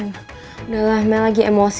udah lah mel lagi emosi